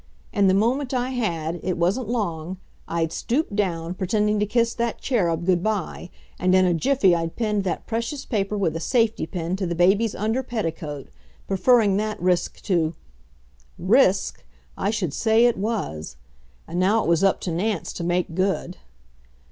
In the moment I had it wasn't long I'd stooped down, pretending to kiss that cherub good by, and in a jiffy I'd pinned that precious paper with a safety pin to the baby's under petticoat, preferring that risk to Risk! I should say it was. And now it was up to Nance to make good.